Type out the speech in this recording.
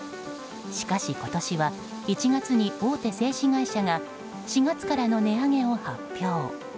しかし、今年は１月に大手製紙会社が４月からの値上げを発表。